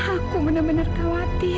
aku benar benar khawatir